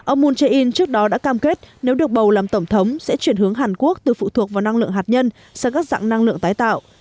ông moon jae in trước đó đã cam kết nếu được bầu làm tổng thống sẽ chuyển hướng hàn quốc từ phụ thuộc vào năng lượng hạt nhân sang các dạng năng lượng tái tạo